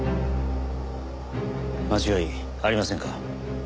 間違いありませんか？